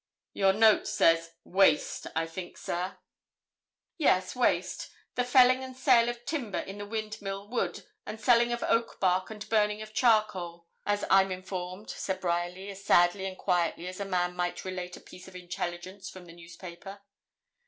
'Your note says waste, I think, sir?' 'Yes, waste the felling and sale of timber in the Windmill Wood, the selling of oak bark and burning of charcoal, as I'm informed,' said Bryerly, as sadly and quietly as a man might relate a piece of intelligence from the newspaper.